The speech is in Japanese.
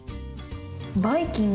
バイキング！